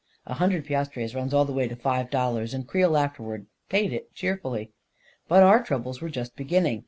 A hundred piastres runs all the way to five dollars, and Creel afterwards paid it cheerfully. But our troubles were just beginning.